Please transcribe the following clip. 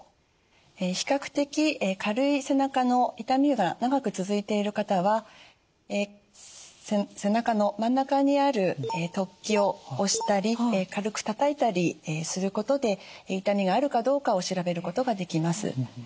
比較的軽い背中の痛みが長く続いている方は背中の真ん中にある突起を押したり軽くたたいたりすることで痛みがあるかどうかを調べることができます。